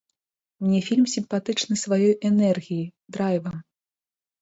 Мне фільм сімпатычны сваёй энергіяй, драйвам.